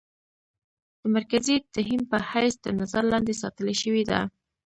د مرکزي تهيم په حېث د نظر لاندې ساتلے شوې ده.